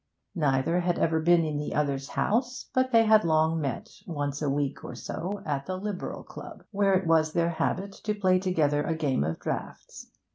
Neither had ever been in the other's house, but they had long met, once a week or so, at the Liberal Club, where it was their habit to play together a game of draughts.